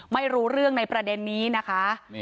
ไม่รู้เรื่องในประเด็นนี้นะคะ